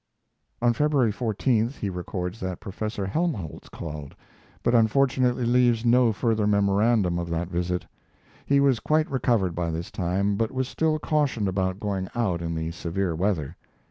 On February 14th he records that Professor Helmholtz called, but unfortunately leaves no further memorandum of that visit. He was quite recovered by this time, but was still cautioned about going out in the severe weather.